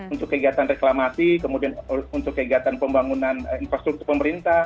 untuk kegiatan reklamasi kemudian untuk kegiatan pembangunan infrastruktur pemerintah